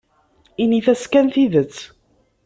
Init-as kan tidet.